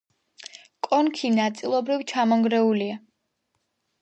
კონქი ნაწილობრივ ჩამონგრეულია.